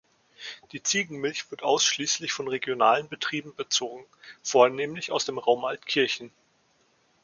Die Ziegenmilch wird ausschließlich von regionalen Betrieben bezogen, vornehmlich aus dem Raum Altkirchen.